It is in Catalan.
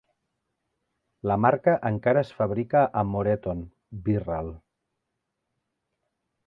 La marca encara es fabrica a Moreton, Wirral.